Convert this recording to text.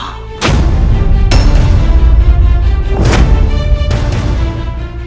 nyimah serara santang